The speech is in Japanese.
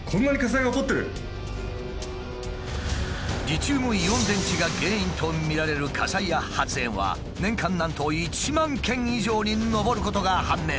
リチウムイオン電池が原因とみられる火災や発煙は年間なんと１万件以上に上ることが判明。